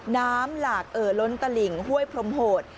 น้ำหลากเอ่อล้นตลิ่งห้วยพรมโหด